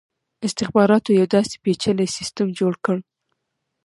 استخباراتو یو داسي پېچلی سسټم جوړ کړ.